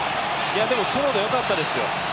でも、ソロでよかったですよ